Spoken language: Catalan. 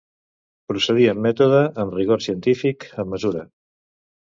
Procedir amb mètode, amb rigor científic, amb mesura.